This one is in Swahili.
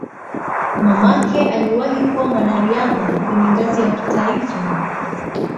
Mamake aliwahi kuwa mwanariadha kwenye ngazi ya kitaifa.